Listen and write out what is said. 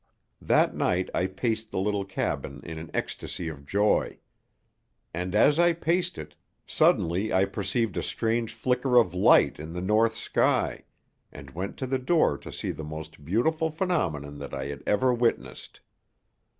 That night I paced the little cabin in an ecstasy of joy. And, as I paced it, suddenly I perceived a strange flicker of light in the north sky, and went to the door to see the most beautiful phenomenon that I had ever witnessed.